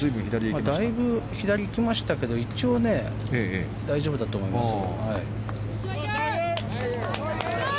だいぶ左行きましたけど一応ね、大丈夫だと思います。